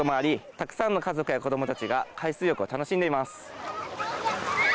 たくさんの家族や子供たちが海水浴を楽しんでいます。